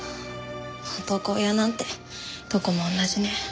男親なんてどこも同じね。